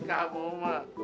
percuma mereka moema